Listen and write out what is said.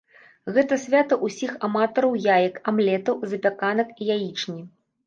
Гэта свята ўсіх аматараў яек, амлетаў, запяканак і яечні.